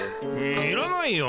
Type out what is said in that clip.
いらないよ。